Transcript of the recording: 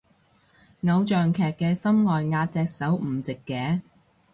偶像劇啲心外壓隻手唔直嘅